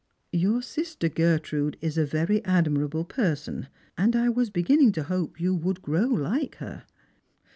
Your sister Gertrude is a very admirable person, and I was beginning to hope you would grow like her."